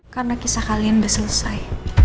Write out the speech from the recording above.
karena kisah kalian udah selesai